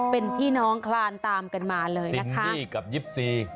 เป็นพี่น้องคลานตามกันมาเลยนะคะนี่กับยิปซี